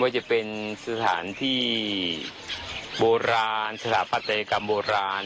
ว่าจะเป็นสถานที่โบราณสถาปัตยกรรมโบราณ